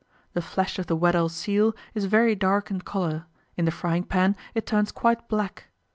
The flesh of the Weddell seal is very dark in colour; in the frying pan it turns quite black.